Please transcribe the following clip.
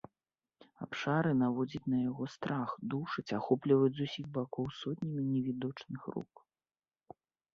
Абшары наводзяць на яго страх, душаць, ахопліваюць з усіх бакоў сотнямі невідочных рук.